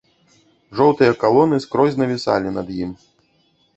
Жоўтыя калоны скрозь навісалі над ім.